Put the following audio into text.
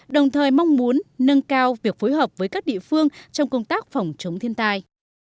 đồng thời mong muốn nâng cao việc phối hợp với các địa phương trong công tác phòng chống thiên tai